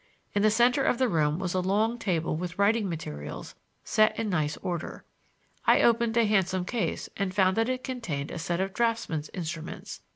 In the center of the room was a long table with writing materials set in nice order. I opened a handsome case and found that it contained a set of draftsman's instruments.